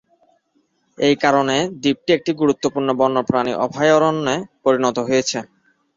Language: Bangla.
এ কারণে দ্বীপটি একটি গুরুত্বপূর্ণ বন্যপ্রাণী অভয়ারণ্যে পরিণত হয়েছে।